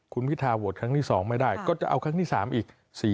คุณพิทาโหวตครั้งที่๒ไม่ได้ก็จะเอาครั้งที่๓อีก